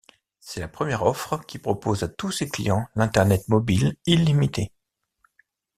C'est la première offre qui propose à tous ses clients l'internet mobile illimité.